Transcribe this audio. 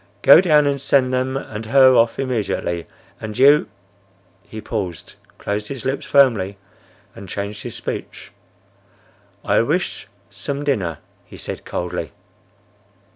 "Go down and send them and her off immediately; and you—" He paused, closed his lips firmly, and changed his speech. "I wish some dinner," he said coldly.